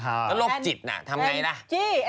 ก็โรคจิตน่ะทำอย่างไรล่ะ